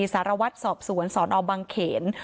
สารวัตรสอบสวนสนบังเขน